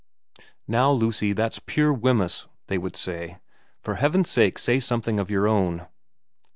120 VERA xi ' Now, Lucy, that's pure Wemyss,' they would say. ' For heaven's sake say something of your own.'